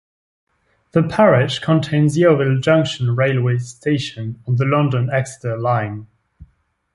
The parish contains Yeovil Junction railway station, on the London-Exeter line.